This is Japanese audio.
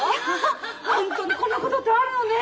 ホントにこんなことってあるのねえ！